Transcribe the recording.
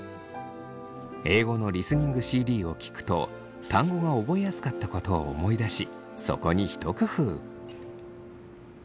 英語のリスニングＣＤを聞くと単語が覚えやすかったことを思い出しそこに一工夫。